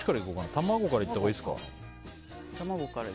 卵からいったほうがいいですか？